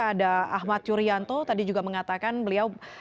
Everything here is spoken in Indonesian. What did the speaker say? ada ahmad yuryanto tadi juga mengatakan beliau